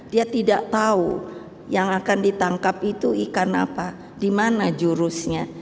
dia tidak tahu yang akan ditangkap itu ikan apa di mana jurusnya